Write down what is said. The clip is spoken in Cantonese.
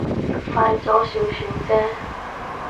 快咗少少啫